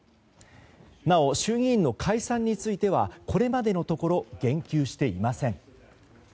なお、衆議院の解散についてはこれまでのところ言及していません。